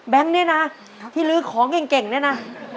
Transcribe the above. เนี่ยนะที่ลื้อของเก่งเนี่ยนะ